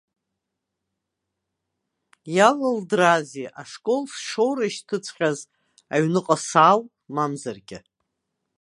Иалылдыраазеи ашкол сшоурышьҭыҵәҟьаз аҩныҟа саау, мамзаргьы.